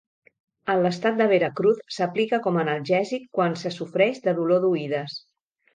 En l'estat de Veracruz s'aplica com a analgèsic quan se sofreix de dolor d'oïdes.